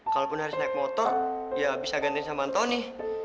kalaupun harus naik motor ya bisa gantian sama antoni